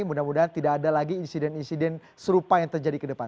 mudah mudahan tidak ada lagi insiden insiden serupa yang terjadi ke depan